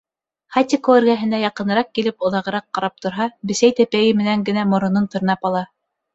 Хатико эргәһенә яҡыныраҡ килеп оҙағыраҡ ҡарап торһа, бесәй тәпәйе менән генә моронон тырнап ала.